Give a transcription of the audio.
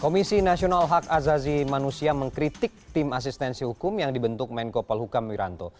komisi nasional hak azazi manusia mengkritik tim asistensi hukum yang dibentuk menko polhukam wiranto